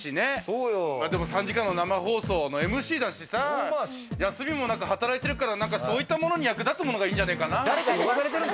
３時間の生放送のＭＣだしさ、休みもなく働いてるから、何かそういったものに役立つものがいいんじゃないかな。